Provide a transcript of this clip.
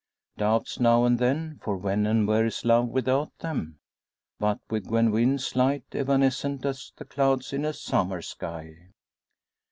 Doubts now and then, for when and where is love without them; but with Gwen Wynn slight, evanescent as the clouds in a summer sky.